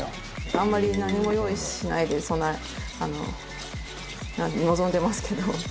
あんまり、何も用意しないで臨んでますけど。